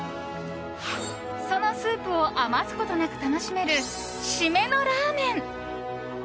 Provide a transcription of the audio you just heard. そのスープを余すことなく楽しめる締めのラーメン。